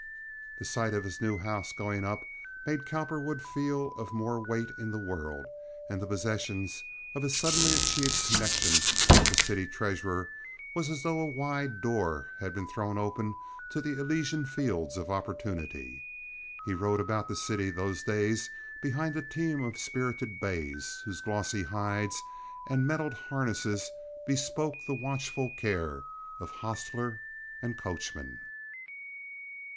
The sight of his new house going up made Cowperwood feel of more weight in the world, and the possession of his suddenly achieved connection with the city treasurer was as though a wide door had been thrown open to the Elysian fields of opportunity. He rode about the city those days behind a team of spirited bays, whose glossy hides and metaled harness bespoke the watchful care of hostler and coachman.